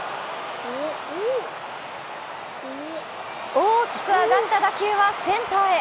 大きく上がった打球はセンターへ。